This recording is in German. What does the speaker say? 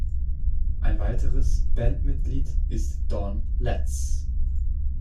Ein weiteres Bandmitglied ist Don Letts.